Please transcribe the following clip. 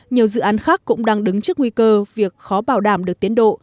nhiều dự án khác cũng đang đứng trước nguy cơ việc khó bảo đảm được tiến độ